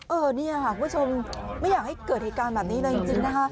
เออนี่ค่ะคุณผู้ชมไม่อยากให้เกิดเหตุการณ์แบบนี้เลยจริงนะคะ